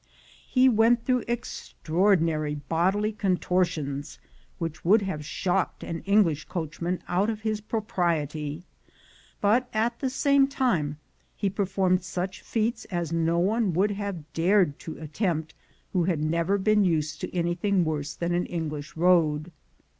He went through extraordinary bodily contortions, which would have shocked an English coachman out of his propriety; but, at the same time, he performed such feats as no one would have dared to attempt who had never been used to anything worse than an English road.